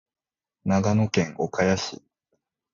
長野県岡谷市